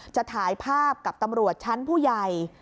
จะถ่ายภาพกับตำรวจชั้นผู้ใหญ่